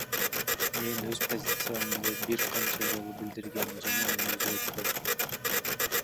Мен өз позициямды бир канча жолу билдиргем жана аны өзгөртпөйм.